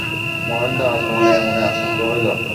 মহেন্দ্র আজ মনে মনে আশ্চর্য হইল।